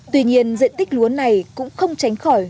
tuy nhiên diện tích lúa này cũng không tránh khỏi